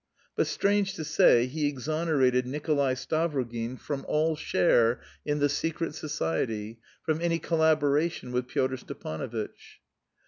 But, strange to say, he exonerated Nikolay Stavrogin from all share in the secret society, from any collaboration with Pyotr Stepanovitch.